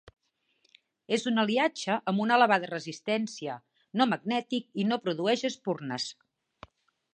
És un aliatge amb una elevada resistència, no magnètic i no produeix espurnes.